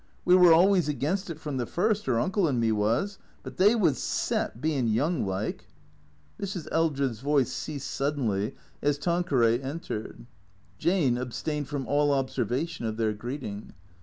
"We were always against it from the first, 'er uncle and me was. But they was set, bein' young like." Mrs. Eldred's voice ceased suddenly as Tanqueray entered. 198 T H E C R E A T 0 E S Jane abstained from all observation of their greeting.